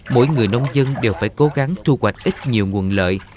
mỗi người nông dân đều phải cố gắng thu hoạch ít nhiều nguồn lợi